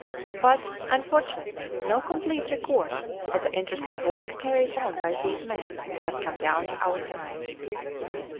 But, unfortunately, no complete record of the interesting work carried on by these men has come down to our times.